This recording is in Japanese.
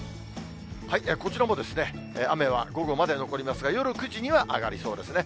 こちらも、雨は午後まで残りますが、夜９時には上がりそうですね。